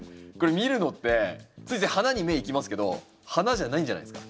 見るのってついつい花に目いきますけど花じゃないんじゃないですか？